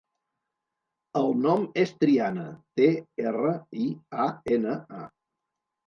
El nom és Triana: te, erra, i, a, ena, a.